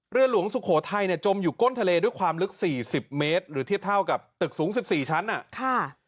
เรือหลวงสุโขทัยเนี่ยจมอยู่ก้นทะเลด้วยความลึก๔๐เมตรหรือเทียบเท่ากับตึกสูง๑๔ชั้นอ่ะค่ะ